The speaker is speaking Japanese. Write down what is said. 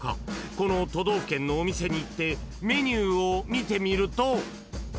この都道府県のお店に行ってメニューを見てみると］